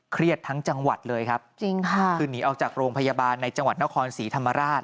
ทั้งจังหวัดเลยครับจริงค่ะคือหนีออกจากโรงพยาบาลในจังหวัดนครศรีธรรมราช